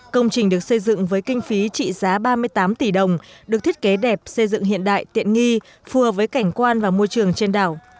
công trình được xây dựng với kinh phí trị giá ba mươi tám tỷ đồng được thiết kế đẹp xây dựng hiện đại tiện nghi phù hợp với cảnh quan và môi trường trên đảo